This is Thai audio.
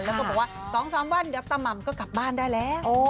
แล้วก็บอกว่า๒๓วันเดี๋ยวตาม่ำก็กลับบ้านได้แล้ว